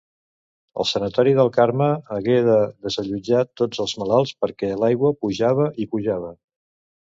El Sanatori del Carme hagué de desallotjar tots els malalts perquè l'aigua pujava i pujava.